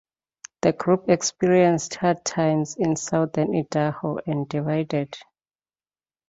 The group experienced hard times in southern Idaho, and divided.